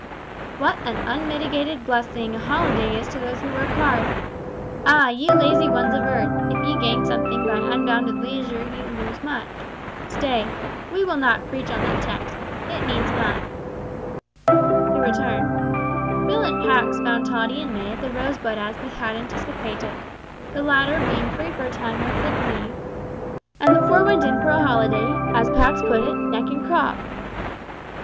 What an unmitigated blessing a holiday is to those who work hard! Ah! ye lazy ones of earth, if ye gain something by unbounded leisure ye lose much. Stay we will not preach on that text. It needs not! To return: Phil and Pax found Tottie and May at The Rosebud as they had anticipated the latter being free for a time on sick leave and the four went in for a holiday, as Pax put it, neck and crop.